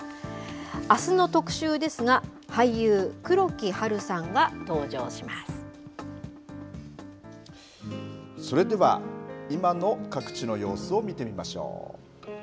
あすの特集ですが、俳優、黒木華それでは、今の各地の様子を見てみましょう。